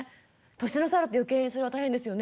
年の差あると余計にそれは大変ですよね。